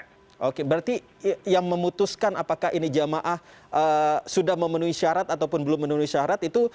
ataupun belum memenuhi syarat itu yang memutuskan apakah ini jamaah sudah memenuhi syarat atau belum memenuhi syarat itu